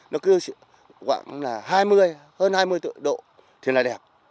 nó cứ khoảng là hai mươi hơn hai mươi độ thế là đẹp